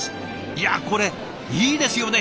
いやこれいいですよね